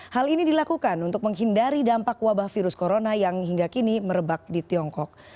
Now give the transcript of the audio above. hal ini dilakukan untuk menghindari dampak wabah virus corona yang hingga kini merebak di tiongkok